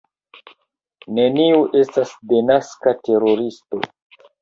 Neniu estas denaska teroristo.